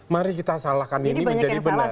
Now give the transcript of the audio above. mari kita salahkan ini menjadi benar